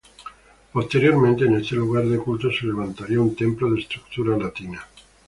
Posteriormente en este lugar de culto se levantaría un templo de estructura latina.